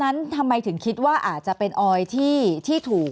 แอนตาซินเยลโรคกระเพาะอาหารท้องอืดจุกเสียดแสบร้อน